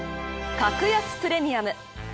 格安プレミアム。